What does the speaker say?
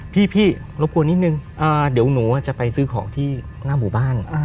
พี่รบกวนนิดนึงเดี๋ยวหนูจะไปซื้อของที่หน้าหมู่บ้าน